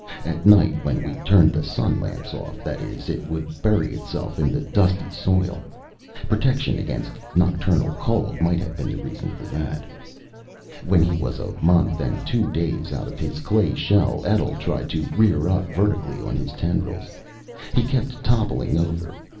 At night when we turned the sun lamps off, that is it would bury itself in the dusty soil. Protection against nocturnal cold might have been the reason for that. When he was a month and two days out of his clay shell, Etl tried to rear up vertically on his tendrils. He kept toppling over.